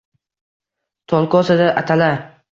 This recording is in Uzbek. Tolkosada atala…